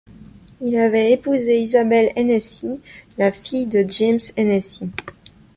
Il avait épousé Isabelle Hennessy, la fille de James Hennessy.